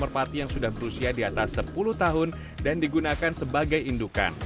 merpati yang sudah berusia di atas sepuluh tahun dan digunakan sebagai indukan